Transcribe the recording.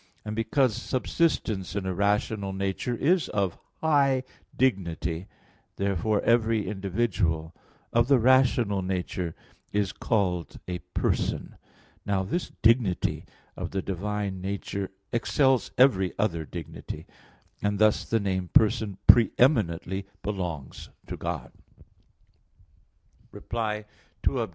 And because subsistence in a rational nature is of high dignity, therefore every individual of the rational nature is called a "person." Now the dignity of the divine nature excels every other dignity; and thus the name "person" pre eminently belongs to God. Reply Obj.